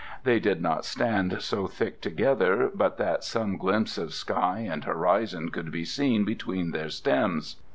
They did not stand so thick together but that some glimpse of sky and horizon could be seen between their stems.